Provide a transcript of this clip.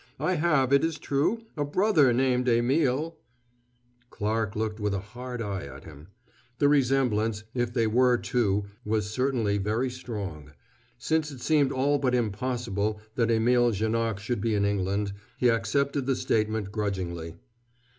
I have, it is true, a brother named Émile " Clarke looked with a hard eye at him. The resemblance, if they were two, was certainly very strong. Since it seemed all but impossible that Émile Janoc should be in England, he accepted the statement grudgingly.